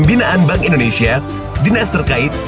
pembinaan bank indonesia dinas terkait